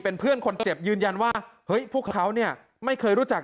เป็นเพื่อนคนเจ็บยืนยันว่าเฮ้ยพวกเขาเนี่ยไม่เคยรู้จัก